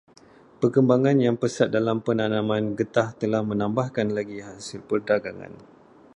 Perkembangan yang pesat dalam penanaman getah telah menambahkan lagi hasil perdagangan.